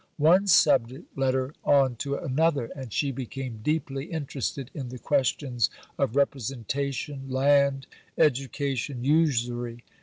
One subject led her on to another, and she became deeply interested in the questions of representation, land, education, usury.